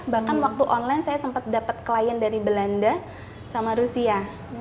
bahkan waktu online saya sempat dapat klien dari belanda sama rusia